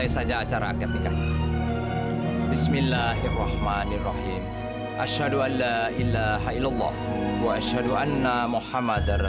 sampai jumpa di video selanjutnya